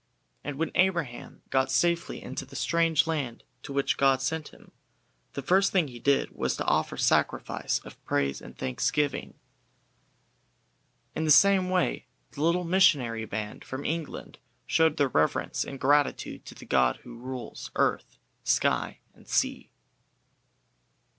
And when Abraham got safely into the strange land to which God sent him, the first thing he did was to offer sacrifice of praise and thanksgiving. In the same way the little missionary band from England showed their reverence and gratitude to the God who rules earth, sky, and sea.